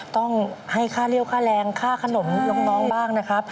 ต้องให้ค่าเลี่ยวค่าแรงค่าขนมน้องบ้างนะครับ